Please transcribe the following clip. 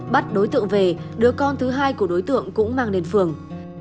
bắt đối tượng về đứa con thứ hai của đối tượng cũng mang lên phường